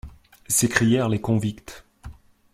s’écrièrent les convicts.